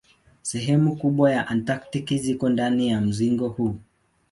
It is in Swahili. Sehemu kubwa ya Antaktiki ziko ndani ya mzingo huu.